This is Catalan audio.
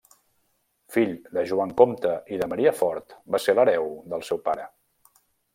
Fill de Joan Compte i de Maria Fort, va ser l'hereu del seu pare.